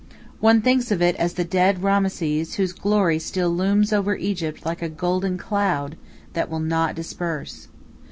One thinks of it as the dead Rameses whose glory still looms over Egypt like a golden cloud that will not disperse.